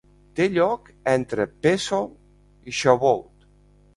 Té lloc entre Péssah i Xavuot.